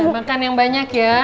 makan yang banyak ya